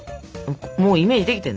もうイメージできてんの？